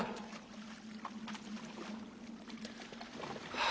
はあ。